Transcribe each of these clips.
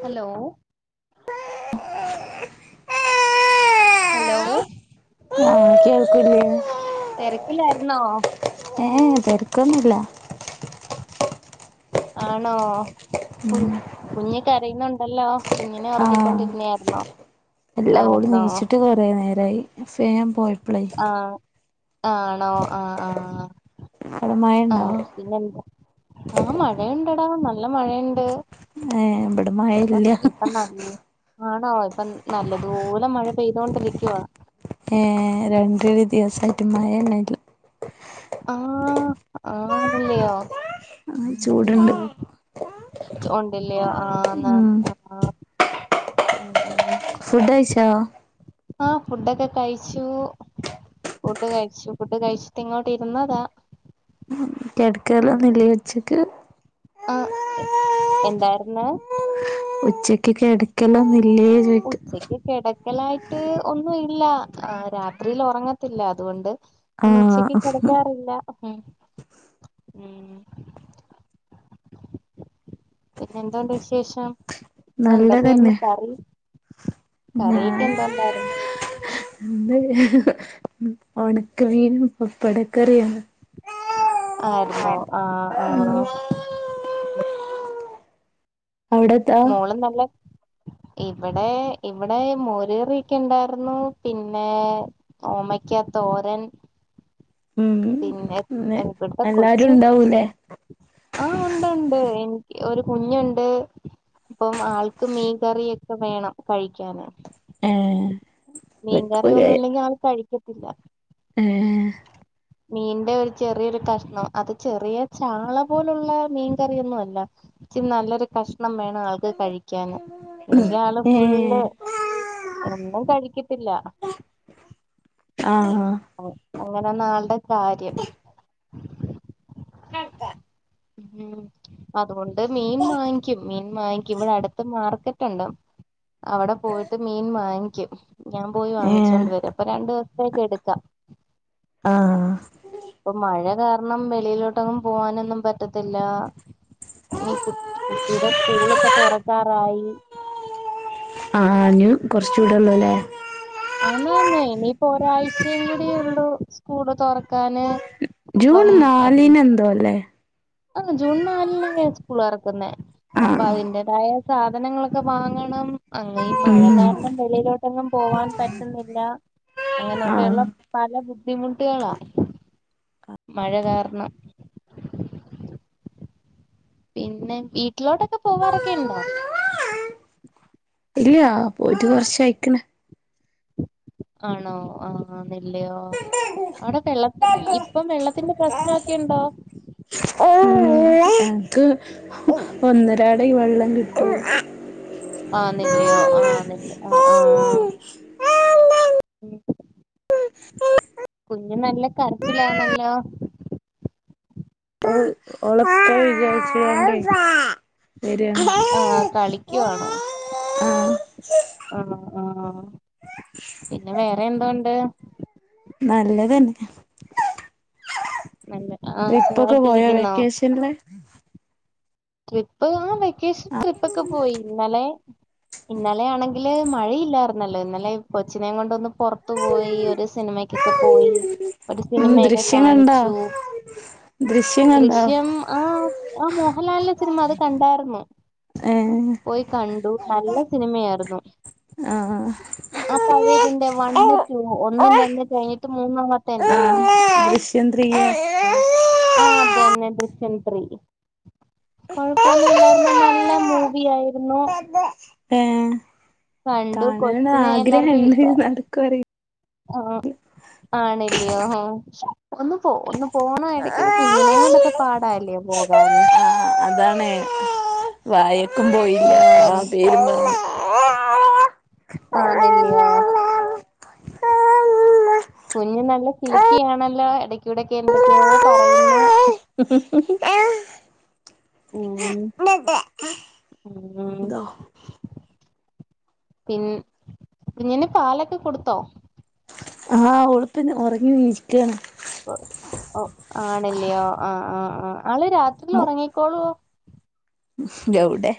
Hello hello ആഹ് കേൾക്കൂല്ലേ. തിരക്കിലായിരുന്നോ? ഏഹ് തെരക്കൊന്നില്ല. ആണോ. കു കുഞ്ഞ് കരയുന്നുണ്ടല്ലോ. കുഞ്ഞിനെ ഉറക്കിക്കൊണ്ടിരുന്നേ ആയിരുന്നോ? ഇല്ലാ ഓള് നീച്ചിട്ട് കുറേ നേരമായി. ഫാൻ പോ ആഹ് ആണോ? ആഹ് ആഹ്. അവിടെ മഴണ്ടോ ആഹ് പിന്നെന്താ? ആഹ് മഴയുണ്ടടാ നല്ല മഴയുണ്ട്. ഏഹ് ഇവടെ ഇപ്പ ഇപ്പ നൽ ആണോ ഇപ്പ നല്ലതുപോലെ മഴ പെയ്തോണ്ടിരിക്കാ. ഏഹ് രണ്ടൊരു ദിവസം ആയിട്ട് മഴന്നെ ഇല്ല. ആഹ് ആണല്ലയോ. ആഹ് ചൂടുണ്ട്. ഉം ഉണ്ടല്ലയോ. ആഹ് അന്നാ. ഉം ആഹ് ഉം ഉം. ഫുഡ് കഴിച്ചോ? ആഹ് ഫുഡൊക്കെ കഴിച്ചു. ഫുഡ് കഴിച്ചു. ഫുഡ് കഴിച്ചിട്ട് ഇങ്ങോട്ട് ഇരുന്നതാ. ഉം കിടക്കാലോന്നും ഇലേ ഉച്ചക്ക് ആഹ് എന്തായിരുന്ന്? ഉച്ചയ്ക്ക് കിടക്കലോന്നില്ലേ ചോയ് ഉച്ചയ്ക്ക് കിടക്കലായിട്ട് ഒന്നും ഇല്ല. രാത്രിയിൽ ഉറങ്ങത്തില്ല. അതുകൊണ്ട് പിന്നെ ഉച്ചക്ക് ആഹ് കിടക്കാറില്ല ഉം പിന്നെ എന്തണ്ട് വിശേഷം ഇന്നെന്തൊക്കെയായിരുന്നു നല്ലതന്നെ കറി കറിക്ക് എന്തോണ്ടായിരുന്നു എന്തുല്ല ഉണക്കമീനും പപ്പടക്കറിയാ ആയിര്ന്നോ ആഹ് ആഹ് ഉം അവിടെത്താ മോളും നല്ല ഇവടെ ഇവടെ മോര് കറിയൊക്കെ ഉണ്ടായിരുന്നു പിന്നെ ഓമയ്ക്ക തോരൻ ഉം പിന്നെ ന്ന് ഇവിടുത്തെ കൊച്ച് എല്ലാരുംണ്ടാവൂലേ ആഹ് ഉണ്ട് ഉണ്ട് എനിക്ക് ഒരു കുഞ്ഞുണ്ട് പ്പം ആൾക്ക് മീൻ കറിയൊക്കെ വേണം കഴിക്കാന് ഏഹ് വെക്കൂലേ മീൻകറിയൊന്നും ഇല്ലെങ്കി ആള് കഴിക്കത്തില്ല എഹ് മീന്റെ ഒരു ചെറിയൊരു കഷ്ണം അത് ചെറിയ ചാള പോലുള്ള മീൻകറിയൊന്നും അല്ല ഇച്ചി നല്ലൊരു കഷ്ണം വേണം ആള്ക്ക് കഴിക്കാന് ല്ലെങ്കി ആള് ഫുള്ള് ഏഹ് ഒന്നും കഴിക്കത്തില്ല ആഹ് ആഹ് അങ്ങനെന്ന ആളുടെ കാര്യം [inaudible] ഉം അതുകൊണ്ട് മീൻ വാങ്ങിക്കും മീൻ വാങ്ങിക്കും ഇവിടെ അടുത്ത് മാർക്കറ്റ്ണ്ട് അവടെ പോയിട്ട് മീൻ വാങ്ങിക്കും ഞാൻ പോയി ഏഹ് വാങ്ങിച്ചോണ്ട് വരും അപ്പൊ രണ്ടു ദിവസത്തേക്ക് എടു ല ആഹ് ഇപ്പൊ മഴ കാരണം വെളിയിലോട്ടങ്ങും പോവാനൊന്നും പറ്റത്തില്ല ഇനി കു കുട്ടിടെ സ്കൂളൊക്കെ തുറക്കാറായി യ് കുറച്ചൂടെള്ളൂല്ലേ ആന്നന്നെ ഇനിയിപ്പോ ഒരാഴ്ചയും കൂടി ഉള്ളു സ്കൂള് തുറക്കാന് ജൂൺ അപ്പം നാലിന് എന്തോ അല്ലേ ആഹ് ജൂൺ നാലിനന്നെ സ്കൂളോറക്കുന്നെ ആ അപ്പൊ അതിന്റേതായ സാധനങ്ങളൊക്കെ വാങ്ങണം അങ്ങ ഈ മഴകാര് ണം വെളിയിലോട്ടൊന്നും പോവാൻ പറ്റുന്നില്ല ആ അങ്ങനെയൊക്കെയുള്ള പല ബുദ്ധിമുട്ടുകളാ മഴ കാരണം പിന്നെ വീട്ടിലോട്ടൊക്കെ പോവാറൊക്കെണ്ടോ ഇല്ല പോയിട്ട് കൊറച്ചായിക്ക്‌ണ് ആണോ ആഹ് അതല്ലെയോ അവടെ വെള്ളത്തി ഇപ്പം വെള്ളത്തിന്റെ പ്രശ്നൊക്കെണ്ടോ ഇൻക്ക് ഒന്നരാടെ ഈ വെള്ളം കിട്ടും ആന്നെല്ലോ ആഹ് നില്ല് ആഹ് ആഹ് ഉം [inaudible] കുഞ്ഞു നല്ല കരച്ചിലാണല്ലോ ഓളെ [unintelligible] ആ കളിക്കുവാണോ [inaudible] ആഹ് ആഹ് പിന്നെ വേറെ എന്തോണ്ട് നല്ലതന്നെ നല്ലെ ആഹ് ട്രിപ്പൊക്കെ പോയോ വെക്കേഷൻല് ട്രിപ്പ് ആഹ് വെക്കേഷൻ ട്രിപ്പക്കെ പോയി ഇന്നലെ ഇന്നലെയാണെങ്കില് മഴയില്ലായിരുന്നല്ലോ ഇന്നലെ കൊച്ചിനേം കൊണ്ടൊന്ന് പൊറത്ത് പോയി ഒരു സിനിമക്ക് ത്ത്പോയി ഒരു ഉം സിനിമയൊക്കെ ദൃശ്യം കണ്ടോ കാണിച്ചു ദൃശ്യം കണ്ടോ ദൃശ്യം ആഹ് അഹ് മോഹൻലാലിന്റെ സിനിമ അത് കണ്ടായിരുന്നു ഏഹ് പോയി കണ്ടു നല്ല സിനിമയാർന്നു. ആഹ് ആ പഴയ ഇതിന്റെ വണ്ണ് റ്റു ഒന്നും ആഹ് രണ്ട് കഴിഞ്ഞിട്ട് മൂന്നാമത്തെന്റെ ദൃശ്യം ത്രീയാ ആഹ് ആഹ് തന്നെ ദൃശ്യം ത്രീ. കൊഴപ്പൊന്നും ഇല്ലാര്ന്ന് നല്ല മൂവിയാരുന്നു. ഏഹ്. കണ്ടു കൊച്ചിനെ എല്ലാർക്കും ഇ [unintelligible] നടക്കോ അറി ആഹ്. ആണല്യോ ഒന്ന് പോ ഒന്ന് പോണം എടക്ക് കുഞ്ഞിനേ കൊണ്ടൊക്കെ പാടല്ലേ പോകാന്? ആ അതാണ് വായക്കും പോയില്ല്യ ആഹ് ആ പേരും പർഞ്. ആന്നില്ലയോ. കുഞ്ഞ് നല്ല കിലിക്കിയാണല്ലോ എടക്കൂടെക്കെ എന്തൊക്കെയോ പറയ്ന്നു. ഉം ഉം ദോ പിൻ കുഞ്ഞിന് പാലൊക്കെ കൊട്ത്തോ? ആഹ് കൊട്ത്തിന് ഒറങ്ങി നീച്ച് ക്കാ ഓഹ് ഓഹ് ആണല്ലയോ ആഹ് ആഹ് ആഹ് ആള് രാത്രില് ഒറങ്ങിക്കോവോ? എവ്ടെ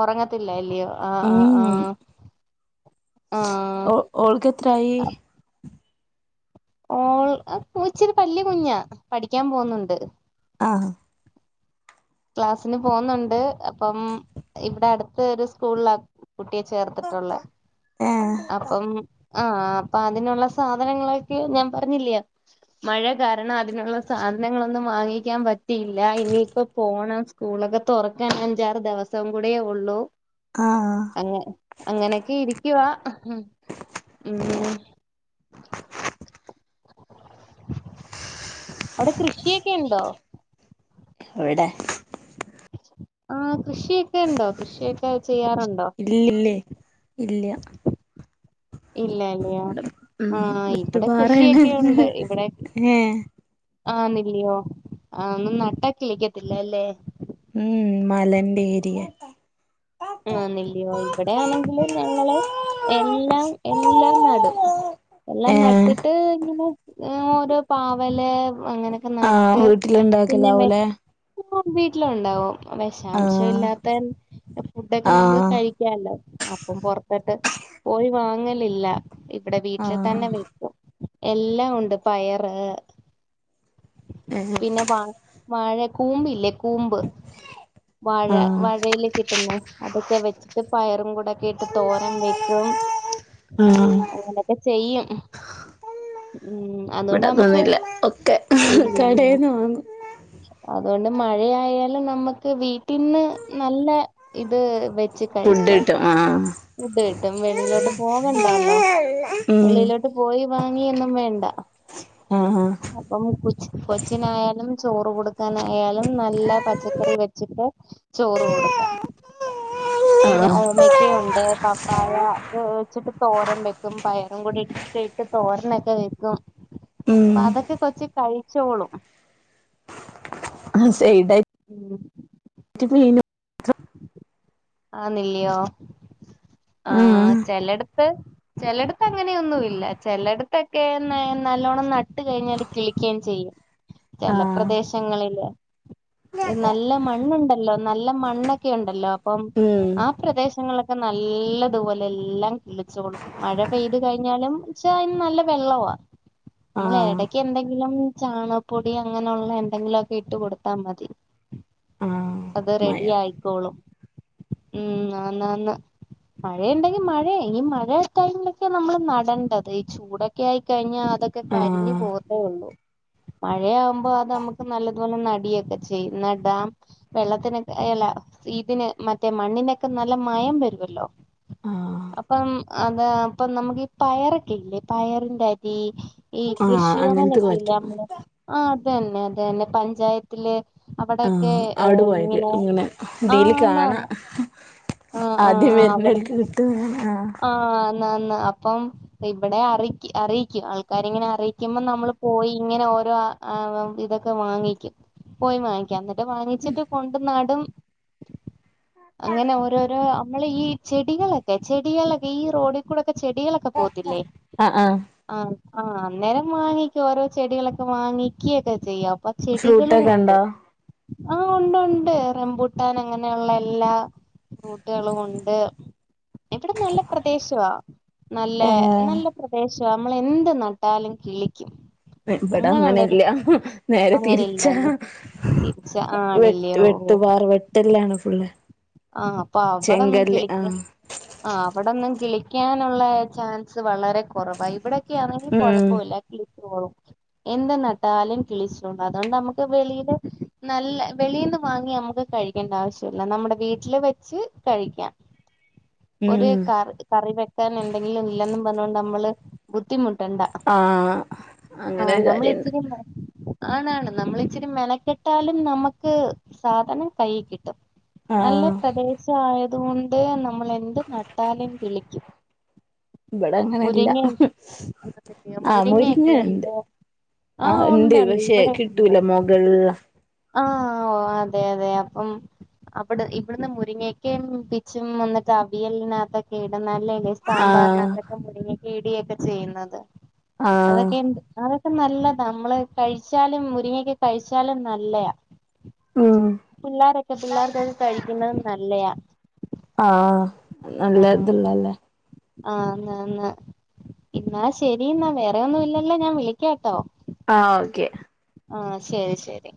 ഒറങ്ങത്തില്ല്യല്ലയോ ആഹ് ആഹ് ഉം ആഹ് ആഹ്. ഓ ഓൾക്കെത്രായി? ഓൾ ഇച്ചിര് വല്ല്യ കുഞ്ഞാ പഠിക്കാൻ പോവുന്നൊണ്ട്. ആഹ് ക്ലാസിന് പോന്നൊണ്ട് അപ്പം ഇവ്ടെ അട്ത്ത് ഒര് സ്കൂള കുട്ടിയെ ചേർത്തിട്ടൊള്ളെ ഏ അപ്പം ആഹ് അപ്പൊ അതിനൊള്ള സാധനങ്ങളൊക്കെ ഞാൻ പർഞ്ഞി ല്ലയോ മഴ കാരണം അതിനൊള്ള സാധനങ്ങളൊന്നും വാങ്ങിക്കാൻ പറ്റിയില്ല ഇനിയിപ്പം പോണം സ്കൂളൊക്കെ തൊറക്കാൻ അഞ്ചാറ് ദിവസം കൂടെയേ ഒള്ളൂ. ആഹ് അങ്ങ അങ്ങനൊക്കെയിരിക്ക്‌വാ ഉം. അവ്ടെ കൃഷിയൊക്കെ ഇണ്ടോ? എവ്ടെ? ആഹ് കൃഷിയൊക്കെണ്ടോ? കൃഷിയൊക്കെ ചെയ്യാറൊണ്ടോ? ഇല്ല്യ ല്ലേ ഇല്ല്യ. ഇല്ലല്ല്യോ ഉം ആഹ് ഇവ്ടെ വെട്ടുപാറയാണ് കൃഷിയൊക്കെയുണ്ട് ഇവ്ടെ ഏ ആന്നില്ലയോ ആഹ് ഒന്നും നട്ടാകിളിക്കത്തില്ലലേ? ഉം മലന്റെ ഏരിയെ ആന്നില്ല്യോ ഇവ്ടെയാണെങ്കില് ഞങ്ങള് എല്ലാം എല്ലാം നടും. എല്ലാം ഏ നട് ട്ട് ഇങ്ങനെ ഒര് പാവല് അങ്ങനൊക്കെ ആ നട്ട് പിന്നെ വെ വീട്ടിലുണ്ടാക്കലാവൂലേ വീട്ടിലും ഉണ്ടാവോ? ആ വെഷാംശം ഇല്ലാത്തെ ഫുഡൊക്കെ ആ നമക്ക് കഴിക്കാലോ അപ്പം പൊർത്തട്ട് പോയി വാങ്ങലില്ല. ഇവ്ടെ ആ വീട്ടില് തന്നെ വെക്കും എല്ലാം ഉണ്ട് പയറ് ഏ പിന്നെ വാ വാഴ കൂമ്പില്ലേ കൂമ്പ്. വാഴ ആ വാഴേല് കിട്ട്ന്നേ അതൊക്കെ വെച്ചിട്ട് പയറും കൂടെയെക്കെയിട്ട് തോരം വെക്കും. ആഹ് അങ്ങനെക്കെചെയ്യും ഉം ഇവിടെ അത്കൊണ്ട് അമ്മക്ക് അതൊന്നുല്ല ഒക്കെ ഇല്ലില്ല്യ കടേന്ന് വാങ്ങും അതുകൊണ്ട് മഴയായാലും നമ്മക്ക് വീട്ടിന്ന് നല്ല ഇത് വെച് ഫുഡ് കിട്ടും ആഹ് കിട്ടും വെളിയിലോട്ട് പോകണ്ടല്ലോ ഉം വെളിയിലോട്ട് പോയി വാങ്ങിയെന്നും വേണ്ട ആഹ് ആഹ് അപ്പം കൊച്ച് കൊച്ചിനായാലും ചോറ് കൊടുക്കാനായാലും നല്ല പച്ചക്കറി വെച്ചിട്ട് ചോറ് കൊടുക്കും ആഹ് പിന്നെ ആഹ് ഓമക്കയുണ്ട് പപ്പായ വേവിച്ചിട്ട് തോരൻ വെക്കും പയറും കൂടി ഇട്ടിട്ട് തോരനൊക്കെ വെക്കും അപ്പൊ ഉം അതൊക്കെ കൊച്ച് കഴിച്ചോളും ആഹ് സെയ്ഡായ് ഉം നെറ്റ് കഴിഞ്ഞു ആന്നല്യയോ? ആഹ് ചെലട്ത്ത് ചെലയെടത്ത് അങ്ങനെയൊന്നുവില്ല ചെലയട്ത്തൊക്കെ നെ നല്ലോണ്ണം നട്ട് കഴിഞ്ഞാല് കിളിക്കേം ചെയ്യും ചെല ആഹ് പ്രദേശങ്ങളില് ഈ നല്ല മണ്ണുണ്ടല്ലോ നല്ല മ ണ്ണൊക്കെ ഉണ്ടല്ലോ അപ്പം ഉം ആ പ്രദേശങ്ങളിലൊക്കെ നല്ലതുപോലെ എല്ലാം കിളിച്ചോളും മഴ പെയ്ത് കഴിഞ്ഞാലും എന്ന് വെച്ചാ അയിന് നല്ല വെള്ളവാ നമ്മള് ആഹ് എടയ്ക്ക് എന്തെങ്കിലും ചാണാപ്പൊടി അങ്ങനുള്ളെ എന്തെങ്കിലൊക്കെ ഇട്ട് കൊടുത്താ മതി ആഹ് അത് മഴ റെഡിയായിക്കോളും ഉം ആന്നാന്ന് മഴയുണ്ടെങ്കി മഴേ ഈ മഴ ടൈമിലൊക്കെയാ നമ്മള് നടേണ്ടത് ഈ ചൂട ക്കെ ആയി കഴിഞ്ഞാ അതൊക്കെ കരിഞ് ആഹ് പോകത്തേ ഒള്ളൂ മഴയാവുമ്പോ അത് നമുക്ക് നല്ലതുപോലെ നടിയൊക്കെ ചെയ്യും ന്നടാം വെള്ളത്തിനെ ക്കെ എല്ല ഇതിന് മറ്റേ മണ്ണിനൊക്കെ നല്ല മയം വരുവല്ലോ? ആഹ് അപ്പം അത് അപ്പം നമുക്ക് ഈ പയറൊക്കെ ഇല്ലേ? പയറിന്റെ അരി ഈ ആഹ് അങ്ങനത്തെക്കെ കൃഷിഭവനെക്കയില്ലേ? പറ്റും നമ്മടെ ആഹ് അത് തന്നെ അത് തന്നെ പഞ്ചായത് ത്തില് അവിടെയെക്കെ ആഹ് അവിടെ ഏഹ് പോയത് ഇങ്ങനെ ആ ഇതില് ആന്ന് കാണാം ആന്ന് ആ ആ ആദ്യം ആ വരുന്നോൽക്ക് കിട്ടും ഇങ്ങനെ ആഹ് ന്നാന്ന് അപ്പം ഇവടെ അറിയി അറിയിക്കും ആൾക്കാരിങ്ങനെ അറിയിക്കുമ്പം നമ്മള് പോയി ഇങ്ങനെ ഓരോ ആ ആവം ഇതൊക്കെ വാങ്ങിക്കും പോയി വാങ്ങിക്കും എന്നിട്ട് വാങ്ങിച്ചിട്ട് കൊണ്ട് നടും അങ്ങനെ ഓരോരോ നമ്മള് ഈ ചെടികളക്കെ ചെടികളക്കെ ഈ റോഡി കൂടെ ഒക്കെ ചെടികളക് ക്കെ പോവത്തില്ലേ? ആഹ് ആഹ് ആഹ് ആഹ് അന്നേരം വാങ്ങിക്കും ഓരോ ചെടികളൊക്കെ വാങ്ങിയ്ക്കേക്ക ചെയ്യും അപ്പ ചെടികളും ഫ്രൂട്ടൊക്കെ ഉണ്ട് ഉണ്ടോ ആഹ് ഒണ്ട് ഒണ്ട് റംബൂട്ടാൻ അങ്ങനെയുള്ള എല്ലാ ഫ്രൂട്ടുകളും ഉണ്ട് ഇവടെ നല്ല പ്രദേശവാ നല്ലെ ഏഹ് നല്ല പ്രദേ ശാ നമ്മള് എന്ത് നട്ടാലും കിളിക്കും പക്ഷെ ഇബടെ അങ്ങനെയുള്ളൊരു അങ്ങനെല്ല്യ നേരെ അങ്ങനെ തിരിച്ച ഇല്ലാലോ തിരിച്ച വെട്ട് ആണില്ലയോ ഓ വെട്ട്പാറ് വെട്ടല്ലാണ് ഫുള്ള് ആഹ് അപ്പൊ അവിടൊന്നും ചെങ്കല്ല് കിളിയ്ക്ക ആഹ് ആഹ് അവിടൊന്നും കിളിയ്ക്കാനുള്ള ചാൻസ് വളരെ കൊറവാ ഇവിടെ ക്കെ ആന്നെങ്കി ഉം കൊഴപ്പവില്ല കിളിത്തോളും എന്ത്‌ നട്ടാലും കിളിച്ചോണ്ട് അതുകൊണ്ട് നമുക്ക് വെളില് നല്ല വെളിന്ന് വാങ്ങി നമുക്ക് കഴി ക്കണ്ട ആവശ്യല്ല നമ്മുടെ വീട്ടില് വെച്ച് കഴിക്കാം ഒരു ഉം കാർഡ് കറിവെക്കാൻ എന്തെങ്കിലും ഇല്ലെന്നും പറഞ്ഞോണ്ട് നമ്മള് ബുദ്ധിമുട്ട് ട്ടണ്ട ആഹ് അങ്ങനെ ആഹ് ഒരു നമ്മള് കാര്യണ്ട് ഇച്ചിരി മര് ആണാണ് നമ്മളിച്ചിരി മെലക്കെട്ടാലും നമ്മുക്ക് സാധനം കൈയ്യി കിട്ടും നല്ല ആഹ് പ്രദേശം ആയതുകൊണ്ട് നമ്മള് എന്ത് നട്ടാലും കിളിക്കും ഇവിടെ അങ്ങനെല്ല മുരിങ്ങ ആഹ് മുരിങ്ങയൊക്കെ മുരിങ്ങേണ്ട് ഉണ്ട് ആഹ് ഇണ്ട് ഉണ്ട് ഉണ്ട് പക്ഷെ ഇവിടെ ഉണ്ട് കിട്ടൂല മുകൾല ആഹ് ഓഹ് അതെ അതെ അപ്പം അവട് ഇവിടുന്ന് മുരിങ്ങക്കേം പിച്ചും വന്നിട്ട് അവിയലിനാത്തൊക്കെ ഇടുന്നല്ലേ ഗയ്സ് ആഹ് സാമ്പാറിനകത്തൊക്കെ മുരിങ്ങക്കെ ഇടിയൊക്കെ ചെയ്യുന്നത് ആഹ് അതൊക്കെണ്ട് അതൊക്കെ നല്ലത നമ്മള് കഴിച്ചാലും മുരിങ്ങൊക്കെ കഴിച്ചാലും നല്ല നല്ലയാ ഉം പിള്ളാരൊക്കെ പിള്ളേരുതത് കഴിക്കുന്നതും നല്ലയാ. ആഹ് നല്ല ഇതള്ളല്ലേ ആഹ് ന്നാന്ന് ഇന്നാ ശരി ഇന്നാ വേറെ ഒന്നും ഇല്ലല്ലോ ഞാൻ വിളിക്കാട്ടോ ആഹ് ഓക്കെ ആഹ് ശരി ശരി